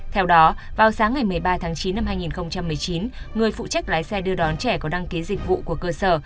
theo đó vào sáng ngày một mươi ba tháng chín năm hai nghìn một mươi chín người phụ trách lái xe đưa đón trẻ có đăng ký dịch vụ của cơ sở